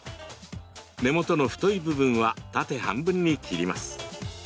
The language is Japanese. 根元の太い部分は縦半分に切ります。